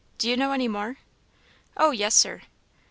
Do you know any more?" "Oh yes, Sir."